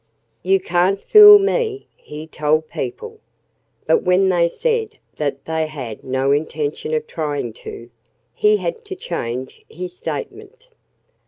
"You can't fool me!" he told people. But when they said that they had no intention of trying to, he had to change his statement.